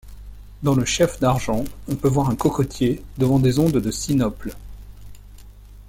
Dans le chef d'argent, on peut voir un cocotier, devant des ondes de sinople.